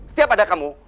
setiap ada kamu